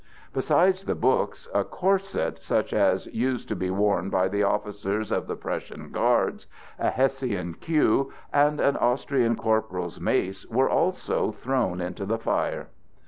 Besides the books, a corset such as used to be worn by the officers of the Prussian guards, a Hessian queue, and an Austrian corporal's mace were also thrown into the fire.